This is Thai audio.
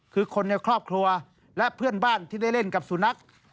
คือคนในครอบครัวและเพื่อนบ้านที่ได้เล่นกับสุนัข